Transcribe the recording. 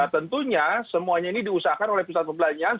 tentunya semuanya ini diusahakan oleh pusat perbelanjaan